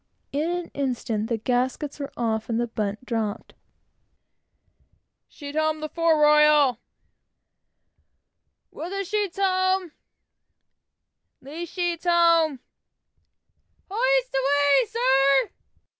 In an instant the gaskets were off and the bunt dropped. "Sheet home the fore royal! Weather sheet's home!" "Hoist away, sir!"